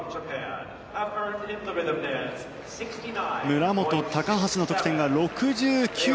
村元、高橋の得点が６９．６７。